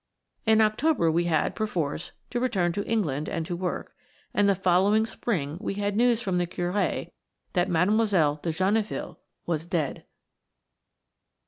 In October we had, perforce, to return to England and to work, and the following spring we had news from the Curé that Mademoiselle de Genneville was dead.